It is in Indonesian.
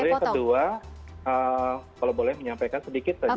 lalu yang kedua kalau boleh menyampaikan sedikit saja